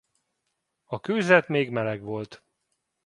A kőzet még meleg volt.